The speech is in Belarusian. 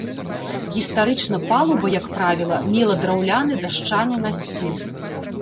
Гістарычна палуба, як правіла, мела драўляны дашчаны насціл.